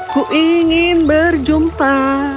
ku ingin berjumpa